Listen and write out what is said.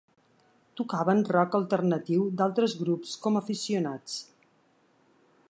Tocaven rock alternatiu d'altres grups com a aficionats.